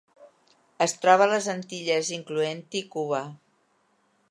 Es troba a les Antilles, incloent-hi Cuba.